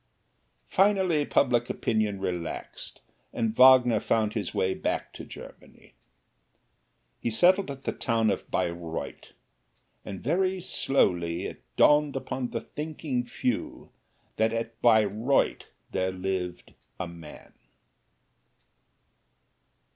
Finally, public opinion relaxed, and Wagner found his way back to Germany. He settled at the town of Bayreuth, and very slowly it dawned upon the thinking few that at Bayreuth there lived a Man.